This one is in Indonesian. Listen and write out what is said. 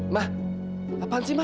mah apaan sih mah